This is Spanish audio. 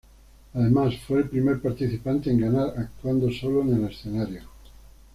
Además fue el primer participante en ganar actuando solo en el escenario.